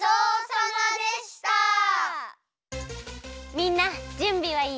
みんなじゅんびはいい？